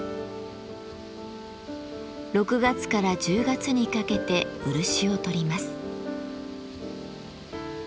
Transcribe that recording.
６月から１０月にかけて漆をとります。